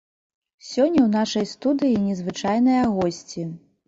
Сёння ў нашай студыі незвычайная госці.